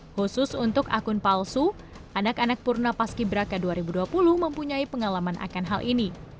khusus untuk akun palsu anak anak purna paski braka dua ribu dua puluh mempunyai pengalaman akan hal ini